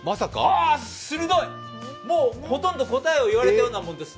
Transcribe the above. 鋭い、もう既に答えを言われたようなものです。